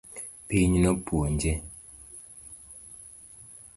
Piny nopuonje